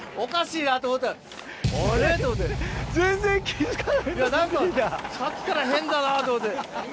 いや何かさっきから変だなと思って。